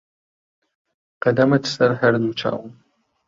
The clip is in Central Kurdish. قەدەمت سەر هەر دوو چاوم